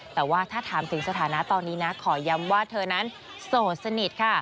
แต่ว่าถ้าถามถึงสถานะตอนนี้นะขอย้ำว่าเธอนั้นโสดสนิทค่ะ